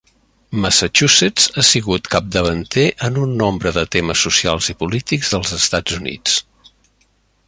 Massachusetts ha sigut capdavanter en un nombre de temes socials i polítics dels Estats Units.